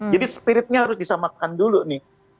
jadi spiritnya harus disamakan dulu nih